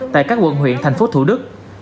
tại các quận huyện tp thủ đức